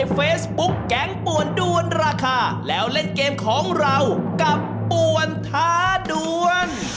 เฟซบุ๊กแก๊งป่วนด้วนราคาแล้วเล่นเกมของเรากับป่วนท้าดวน